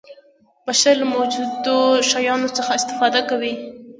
بشر له موجودو شیانو څخه استفاده کوي.